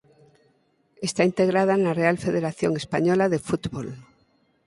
Está integrada na Real Federación Española de Fútbol.